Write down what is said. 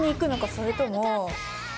それとも。